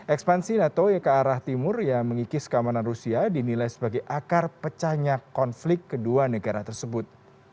ekspansi nato yang ke arah timur yang mengikis keamanan rusia dinilai sebagai akar pecahnya konflik kedua negara tersebut